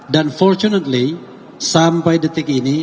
dan fortunately sampai detik ini